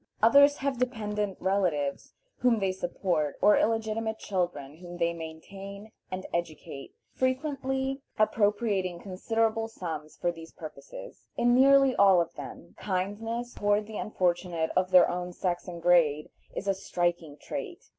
Others have dependent relatives whom they support, or illegitimate children whom they maintain and educate, frequently appropriating considerable sums for these purposes. In nearly all of them, kindness toward the unfortunate of their own sex and grade is a striking trait.